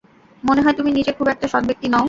মনে হয় তুমি নিজে খুব একটা সৎ ব্যক্তি নও।